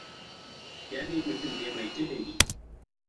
Jami mutum ne mai ilimi.